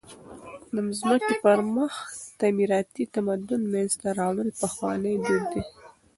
د مځکي پر مخ تعمیراتي تمدن منځ ته راوړل پخوانى دود دئ.